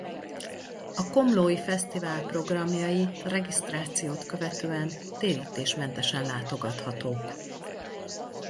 A komlói fesztivál programjai regisztrációt követően térítésmentesen látogathatók.